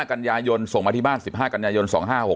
๑๕กัญญายนส่งมาที่บ้าน๑๕กัญญายน๒๕๖๕